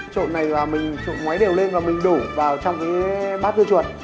trộn này là mình trộn ngoáy đều lên và mình đổ vào trong cái bát dưa chuột